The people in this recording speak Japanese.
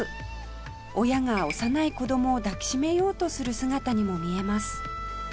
親が幼い子供を抱きしめようとする姿にも見えます